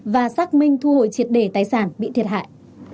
và xác minh thu hồi triệt đề tài sản bị thiệt hại